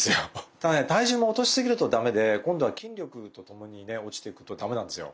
ただね体重も落とし過ぎると駄目で今度は筋力とともにね落ちていくと駄目なんですよ。